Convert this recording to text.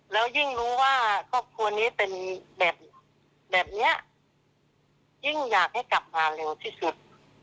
แล้วยิ่งรู้ว่าครอบครัวนี้เป็นแบบนี้ยิ่งอยากให้กลับมาเร็วที่สุด